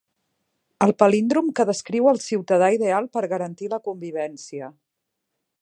El palíndrom que descriu el ciutadà ideal per garantir la convivència.